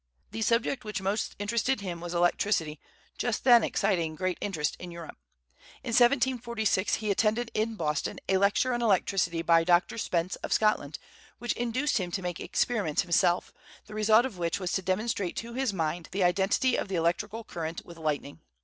The subject which most interested him was electricity, just then exciting great interest in Europe. In 1746 he attended in Boston a lecture on electricity by Dr. Spence, of Scotland, which induced him to make experiments himself, the result of which was to demonstrate to his mind the identity of the electrical current with lightning.